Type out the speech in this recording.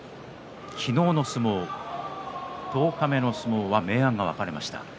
昨日の相撲、十日目の相撲は明暗が分かれました。